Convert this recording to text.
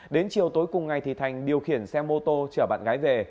đến chiều tối cùng ngày thành điều khiển xe mô tô trở bạn gái về